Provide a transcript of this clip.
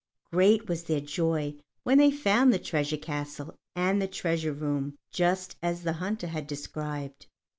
Great was their joy when they found the treasure castle and the treasure room just as the hunter had described.